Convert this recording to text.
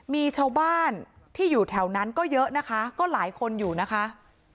มีชาวบ้านที่อยู่แถวนั้นก็เยอะนะคะก็หลายคนอยู่นะคะ